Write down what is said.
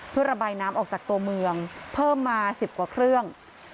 เพื่อระบายน้ำออกจากตัวเมืองเพิ่มมา๑๐กว่าเครื่อง